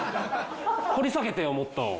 掘り下げてよもっと。